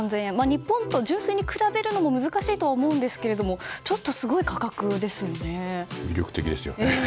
日本と純粋に比べるのも難しいとは思うんですが魅力的ですよね。